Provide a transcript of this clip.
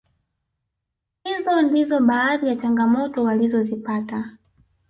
Hizo ndizo baadhi ya changamoto walizozipata